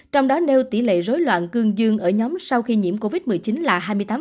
trong đó nêu tỷ lệ rối loạn cương dương ở nhóm sau khi nhiễm covid một mươi chín là hai mươi tám